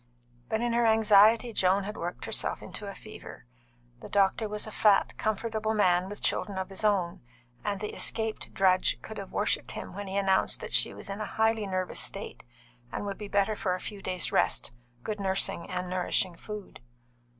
But in her anxiety Joan had worked herself into a fever. The doctor was a fat, comfortable man, with children of his own, and the escaped drudge could have worshipped him when he announced that she was in a highly nervous state, and would be better for a few days' rest, good nursing, and nourishing food.